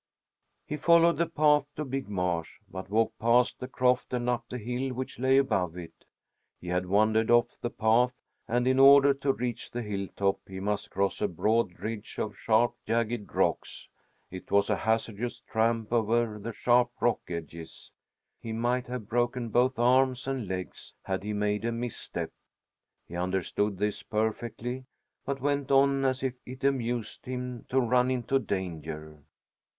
He followed the path to Big Marsh, but walked past the croft and up the hill which lay above it. He had wandered off the path, and in order to reach the hill top he must cross a broad ridge of sharp, jagged rocks. It was a hazardous tramp over the sharp rock edges. He might have broken both arms and legs had he made a misstep. He understood this perfectly, but went on as if it amused him to run into danger.